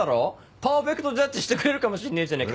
パーフェクトジャッジしてくれるかもしんねえじゃねぇか。